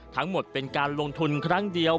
ทั้งหมดเป็นการลงทุนครั้งเดียว